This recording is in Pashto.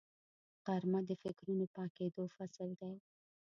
غرمه د فکرونو پاکېدو فصل دی